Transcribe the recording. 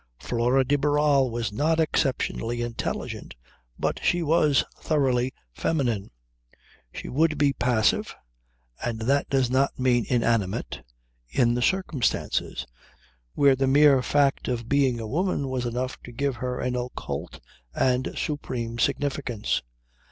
Flora de Barral was not exceptionally intelligent but she was thoroughly feminine. She would be passive (and that does not mean inanimate) in the circumstances, where the mere fact of being a woman was enough to give her an occult and supreme significance.